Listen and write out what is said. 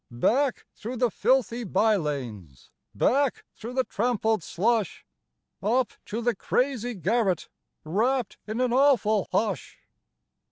" Back, through the filthy by lanes ! Back, through the trampled slush ! Up to the crazy garret. Wrapped in an awful hush.